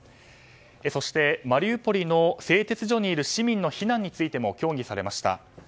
そして、マリウポリの製鉄所にいる市民の避難について協議されました。